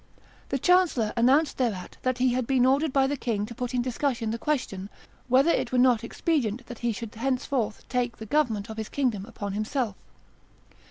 The chancellor announced thereat that he had been ordered by the king to put in discussion the question, whether it were not expedient that he should henceforth take the government of his kingdom upon himself.